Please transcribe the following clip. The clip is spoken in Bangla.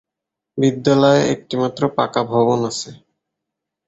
বিদ্যালয়ের একটি মাত্র পাকা ভবন আছে।